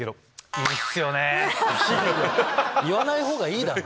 言わない方がいいだろ！